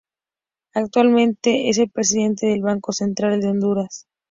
Actualmente es el presidente del Banco Central de Honduras.